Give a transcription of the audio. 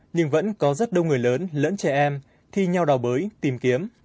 nhưng vẫn có rất đông người lớn lẫn trẻ em thi nhau đào bới tìm kiếm